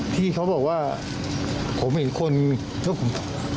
ที่เขาบอกว่าผมเห็นคนชอบผม